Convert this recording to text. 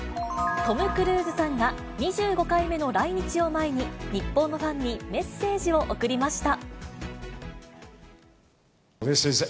トム・クルーズさんが２５回目の来日を前に、日本のファンにメッセージを送りました。